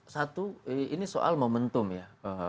satu ini soal momentum ya